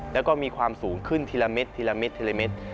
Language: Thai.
แล้วก็มีความสูงขึ้นทีละเม็ดทีละเม็ดทีละเม็ด